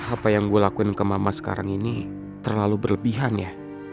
apa yang gue lakuin ke mama sekarang ini terlalu berlebihan ya